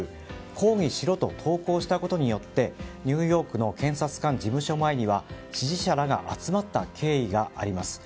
抗議しろと投稿したことによってニューヨークの検察官事務所前に支持者らが集まった経緯があります。